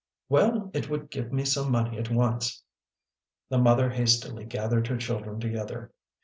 " Well, it would give me some money at once." The mother hastily gathered her children together.